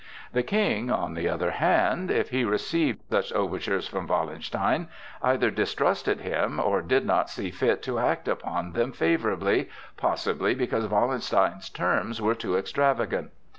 The King, on the other hand, if he received such overtures from Wallenstein, either distrusted him or did not see fit to act upon them favorably, possibly because Wallenstein's terms were too extravagant.